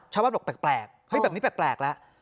ชาวบ้านบอกแปลกเฮ้ยแบบนี้แปลกแล้ว